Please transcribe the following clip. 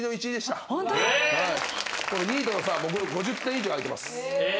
２位との差は５０点以上開いてます。え！？